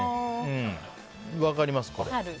分かります、これ。